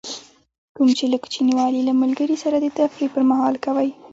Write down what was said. کوم چې له کوچنیوالي له ملګري سره د تفریح پر مهال کوئ.